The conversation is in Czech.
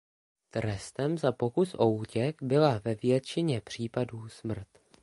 Trestem za pokus o útěk byla ve většině případů smrt.